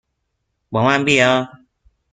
با من بیا!